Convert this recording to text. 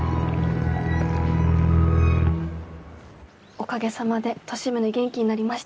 おかげさまで利宗元気になりました。